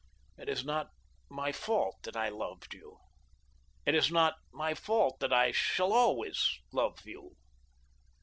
It is not my fault that I loved you. It is not my fault that I shall always love you.